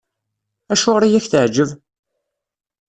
Acuɣeṛ i ak-teɛǧeb?